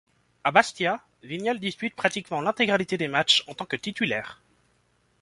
À Bastia, Vignal dispute pratiquement l'intégralité des matches en tant que titulaire.